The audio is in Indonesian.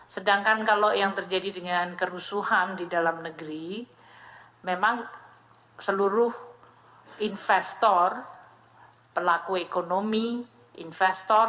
sedangkan kalau yang terjadi dengan kerusuhan di dalam negeri memang seluruh investor pelaku ekonomi investor